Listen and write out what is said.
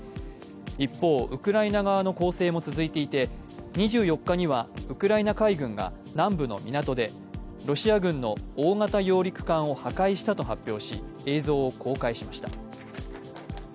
一方、ウクライナ側の攻勢も続いていて、２４日にはウクライナ海軍が南部の港でロシア軍の大型揚陸艦を破壊したと発表し、映像を公開しました。